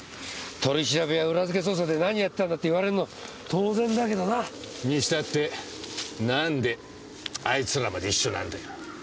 取り調べや裏付け捜査で何やってたんだって言われるの当然だけどな。にしたって何であいつらまで一緒なんだよ。